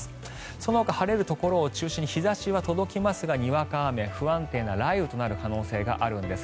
そのほか晴れるところを中心に日差しが届きますがにわか雨、不安定な雷雨となる可能性があるんです。